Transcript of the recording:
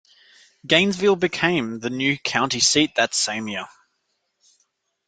Gainesville became the new county seat that same year.